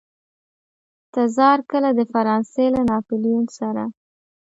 تزار کله د فرانسې له ناپلیون سره.